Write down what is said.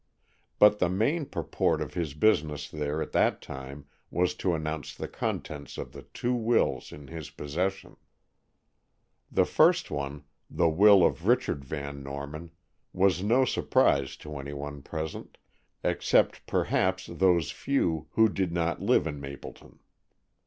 But the main purport of his business there at that time was to announce the contents of the two wills in his possession. The first one, the will of Richard Van Norman, was no surprise to any one present, except perhaps those few who did not live in Mapleton.